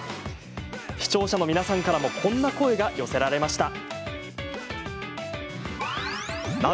視聴者の皆さんからもこんな声が寄せられました。